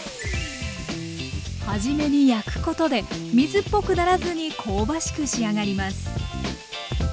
初めに焼くことで水っぽくならずに香ばしく仕上がります。